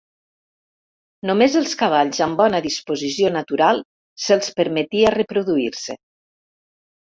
Només els cavalls amb bona disposició natural se'ls permetia reproduir-se.